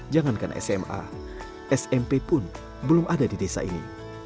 jangankan sma smp pun belum ada di desa ini